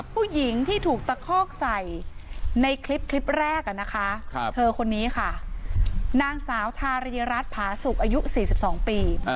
ผู้หญิงที่ถูกตะคอกใส่ในคลิปแรกนะคะเธอคนนี้ค่ะนางสาวทาริยรัฐผาสุกอายุ๔๒ปี